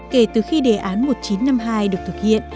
kể từ khi đề án một nghìn chín trăm năm mươi hai được thực hiện